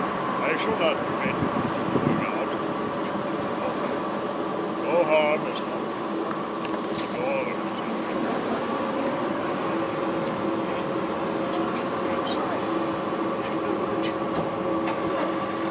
"I shall not prevent you from going out if you choose to go. No harm has come to you. The door is open." Her heart beat quickly, painfully almost, and she remained silent. She knew that she did not want to go.